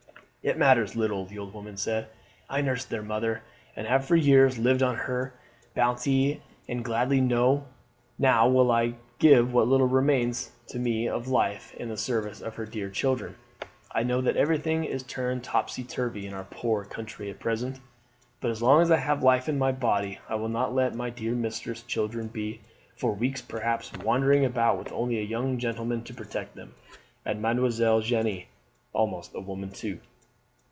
"It matters little," the old woman said. "I nursed their mother, and have for years lived on her bounty; and gladly now will I give what little remains to me of life in the service of her dear children. I know that everything is turned topsy turvy in our poor country at present, but as long as I have life in my body I will not let my dear mistress's children be, for weeks perhaps, wandering about with only a young gentleman to protect them, and Mademoiselle Jeanne almost a woman too."